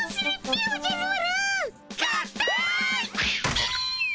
ピィ。